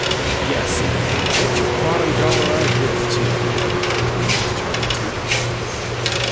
"Yes, and you can bet your bottom dollar I will, too!" he muttered, between his determined teeth.